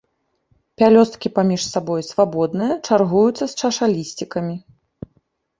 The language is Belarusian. Пялёсткі паміж сабой свабодныя, чаргуюцца з чашалісцікамі.